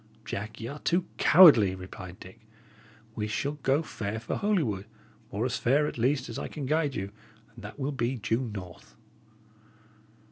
"Jack, y' are too cowardly," replied Dick. "We shall go fair for Holywood, or as fair, at least, as I can guide you, and that will be due north."